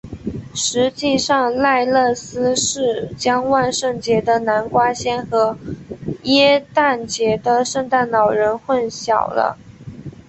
实际上奈勒斯是将万圣节的南瓜仙和耶诞节的圣诞老人混淆了。